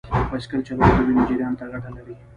بایسکل چلول د وینې جریان ته ګټه لري.